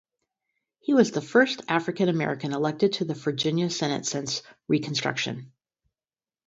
He was the first African American elected to the Virginia Senate since Reconstruction.